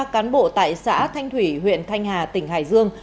ba cán bộ tại xã thanh thủy huyện thanh hà tỉnh hải dương